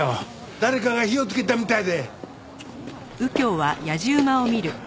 誰かが火をつけたみたいで。